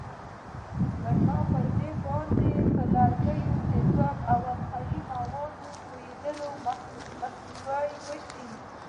بنا پر دې باید پر لرګیو د تیزابونو او القلي موادو توېدلو مخنیوی وشي.